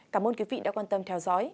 cảm ơn quý vị đã quan tâm theo dõi